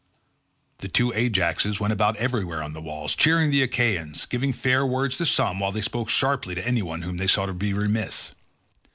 The two Ajaxes went about everywhere on the walls cheering on the Achaeans, giving fair words to some while they spoke sharply to any one whom they saw to be remiss.